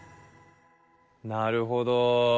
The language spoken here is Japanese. なるほど。